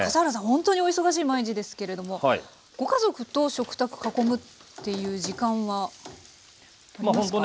ほんとにお忙しい毎日ですけれどもご家族と食卓囲むっていう時間はありますか？